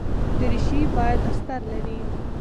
دریشي باید استر لري.